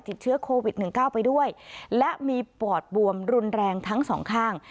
ติดเชื้อโควิด๑๙ไปด้วยและมีปอดบวมรุนแรงทั้งสองข้าง